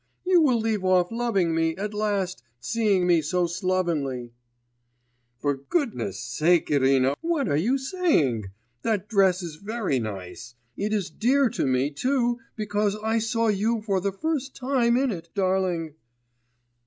You will leave off loving me, at last, seeing me so slovenly!' 'For goodness sake, Irina, what are you saying? That dress is very nice.... It is dear to me too because I saw you for the first time in it, darling.